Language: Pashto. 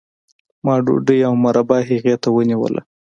ما ډوډۍ او مربا هغې ته ونیوله